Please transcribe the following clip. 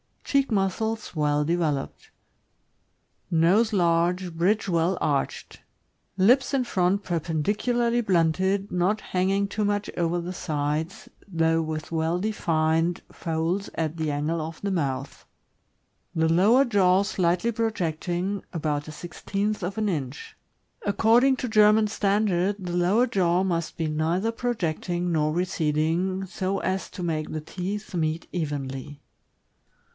Cheek muscles well developed. Nose large, bridge well arched. Lips in front perpendicularly blunted, not hanging too much over the sides, though with well defined MAJOR. Owned by Mr. Paul Merker, 78 State street, Chicago. folds at the angle of the mouth. The lower jaw slightly projecting— about a sixteenth of an inch. According to German standard, the lower jaw must be neither projecting nor receding, so as to make the teeth meet evenly.